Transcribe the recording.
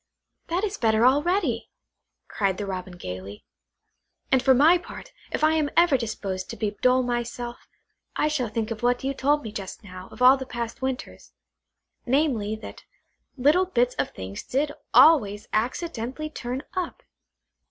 "That is better already," cried the Robin gaily; "and for my part, if I am ever disposed to be dull myself, I shall think of what you told me just now of all the past winters; namely, that little bits of things did always accidentally turn up.